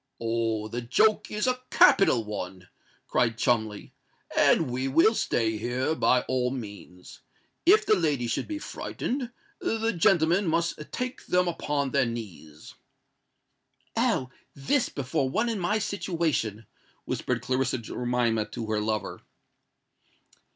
"Oh! the joke is a capital one!" cried Cholmondeley; "and we will stay here by all means. If the ladies should be frightened, the gentlemen must take them upon their knees." "Oh! this before one in my situation!" whispered Clarissa Jemima to her lover.